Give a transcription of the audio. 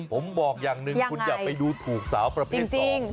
ผมบอกอย่างหนึ่งคุณอย่าไปดูถูกสาวประเภทสอง